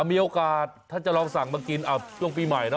มีโอกาสถ้าจะลองสั่งมากินช่วงปีใหม่เนอ